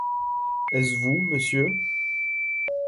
Est-ce vous, monsieur ?